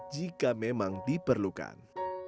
jika memang diperlukan